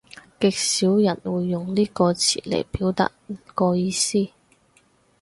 極少人會用呢個詞嚟表達個意思